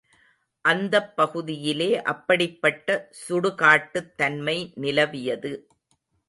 அந்தப் பகுதியிலே அப்படிப்பட்ட சுடு காட்டுத் தன்மை நிலவியது.